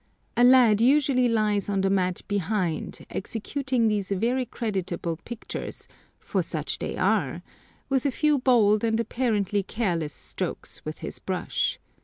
A lad usually lies on the mat behind executing these very creditable pictures—for such they are—with a few bold and apparently careless strokes with his brush.